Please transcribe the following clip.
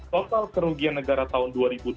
total kerugian negara tahun dua ribu dua puluh